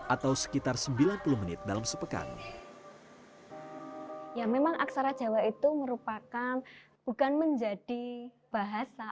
atau sekitar sembilan puluh menit dalam sepekan ya memang aksara jawa itu merupakan bukan menjadi bahasa